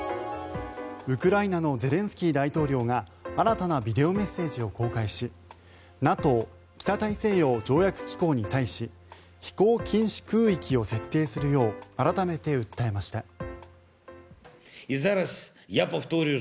ウクライナのゼレンスキー大統領が新たなビデオメッセージを公開しＮＡＴＯ・北大西洋条約機構に対し飛行禁止空域を設定するよう改めて訴えました。